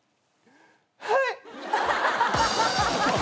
はい！